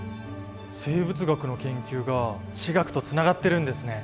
生物学の研究が地学とつながっているんですね。